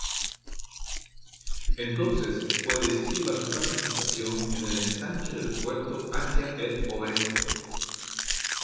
Entonces fue decisiva su participación en el ensanche del puerto hacia el Oeste.